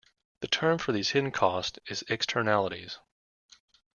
The term for these hidden costs is "Externalities".